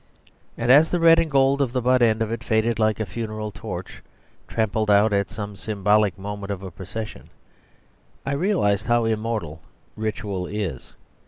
And as the red and gold of the butt end of it faded like a funeral torch trampled out at some symbolic moment of a procession, I realised how immortal ritual is.